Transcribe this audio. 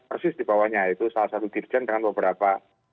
persis dibawahnya yaitu salah satu dirjen dengan beberapa